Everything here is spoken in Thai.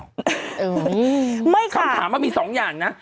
คำถามว่ามี๒อย่างนะ